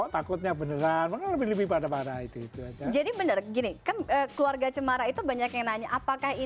takutnya beneran lebih lebih pada itu jadi bener gini keluarga cemara itu banyak yang nanya apakah